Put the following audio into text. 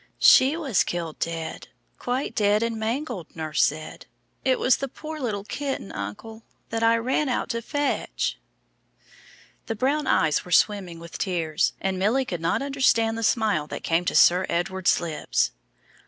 "She was killed dead quite dead and mangled, nurse said. It was the poor little kitten, uncle, that I ran out to fetch." The brown eyes were swimming with tears, and Milly could not understand the smile that came to Sir Edward's lips.